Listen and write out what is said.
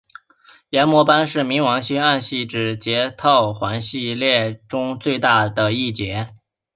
炎魔斑是冥王星暗黑色指节套环系列中最大的一节。